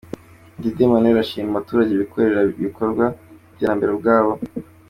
Mudidi Emmanuel arashima abaturage bikorera ibikorwa by’iterambere ubwabo.